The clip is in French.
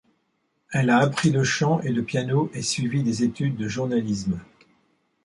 Elle a appris le chant et le piano et suivi des études de journalisme.